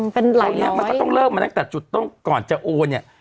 เป็นหลายร้อยต้องเริ่มมาตั้งแต่จุดต้นก่อนจะโอนเนี่ย